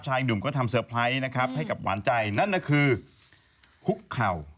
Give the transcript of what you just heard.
หนุ่มก็ทำเตอร์ไพรส์นะครับให้กับหวานใจนั่นก็คือคุกเข่า